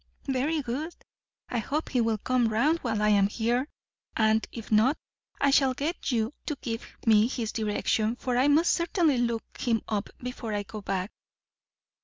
"Very good; I hope he will come round while I am here, and, if not, I shall get you to give me his direction, for I must certainly look him up before I go back."